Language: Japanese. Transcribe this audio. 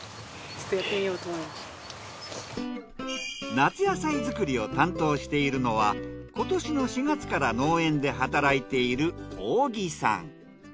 夏野菜作りを担当しているのは今年の４月から農園で働いている大木さん。